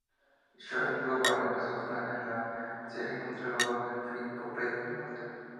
Shelley Duvall empezó a planear la serie mientras rodaba el film "Popeye" en Malta.